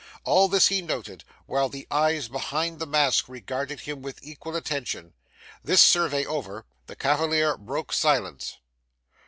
All this he noted, while the eyes behind the mask regarded him with equal attention. This survey over, the cavalier broke silence.